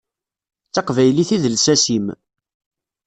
D taqbaylit i d lsas-im.